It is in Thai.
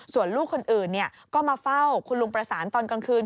ส่วนลูกคนอื่นก็มาเฝ้าคุณลุงประสานตอนกลางคืน